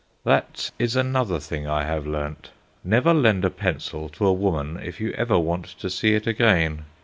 That is another thing I have learnt. Never lend a pencil to a woman if you ever want to see it again.